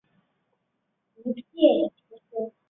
光果毛翠雀花为毛茛科翠雀属下的一个变种。